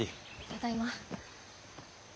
ただいま。